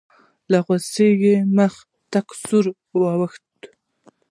له غوسې یې مخ تک سور واوښت.